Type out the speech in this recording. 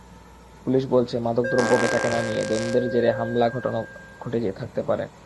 Police বলছে, মাদক দ্রব্য বেচা-কেনা নিয়ে দ্বন্দ্বের জেরে হামলা ঘটনা ঘটে থাকতে পারে।